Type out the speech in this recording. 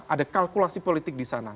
ada kalkulasi politik disana